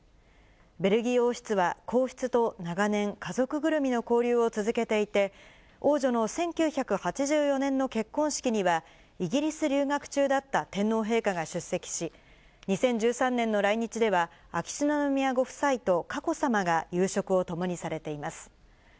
ベルギー王室は、皇室と長年、家族ぐるみの交流を続けていて、王女の１９８４年の結婚式には、イギリス留学中だった天皇陛下が出席し、２０１３年の来日では、秋篠宮ご夫妻と佳子さまが夕食を共にされています。